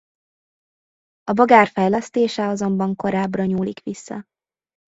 A Bogár fejlesztése azonban korábbra nyúlik vissza.